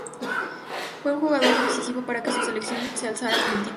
Fue un jugador decisivo para que su selección se alzara con el título.